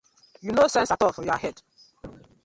Yu no sence atol for yah head.